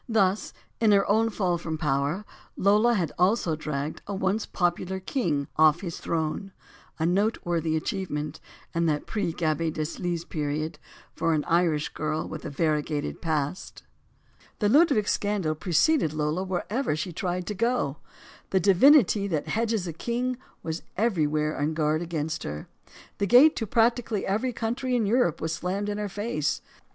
Thus, in her own fall from power, Lola had also dragged a once popular king off his throue; a noteworthy achievement, in that pre Gaby Deslys period, for an Irish girl with a variegated past. The Ludwig scandal preceded Lola wherever she tried to go. The divinity that hedges a king was everywhere on guard against her. The gate to prac tically every country in Europe was slammed in her face.